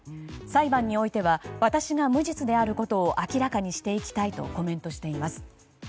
裁判においては私が無実であることを明らかにしていきたいとコメントしています。